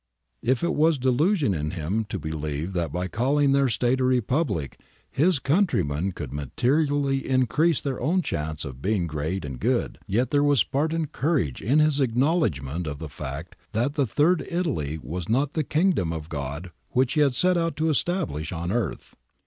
If it was delusion in him to believe that oy calling their State a Republic his countrymen could materially increase their own chance of being great and good, yet there was Spartan courage in his acknowledgment of the fact that the Third Italy was not the Kingdom of God which he had set out to establish on earth.